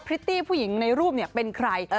ิตตี้ผู้หญิงในรูปเป็นใคร